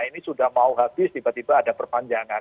ini sudah mau habis tiba tiba ada perpanjangan